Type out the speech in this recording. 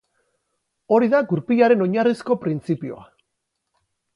Hori da gurpilaren oinarrizko printzipioa.